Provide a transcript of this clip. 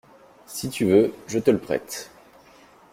Si tu veux, je te le prête.